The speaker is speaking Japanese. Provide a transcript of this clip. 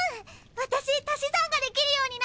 私足し算ができるようになったの！